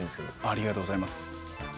ありがとうございます。